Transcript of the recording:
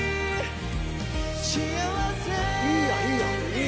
いいやんいいやん。